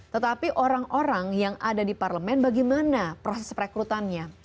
tetapi orang orang yang ada di parlemen bagaimana proses perekrutannya